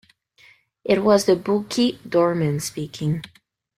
It was the bulky doorman speaking.